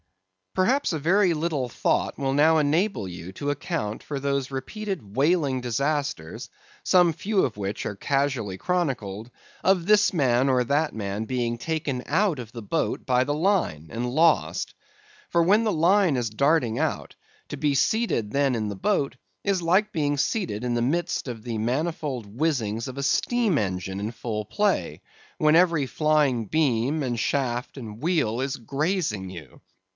Perhaps a very little thought will now enable you to account for those repeated whaling disasters—some few of which are casually chronicled—of this man or that man being taken out of the boat by the line, and lost. For, when the line is darting out, to be seated then in the boat, is like being seated in the midst of the manifold whizzings of a steam engine in full play, when every flying beam, and shaft, and wheel, is grazing you.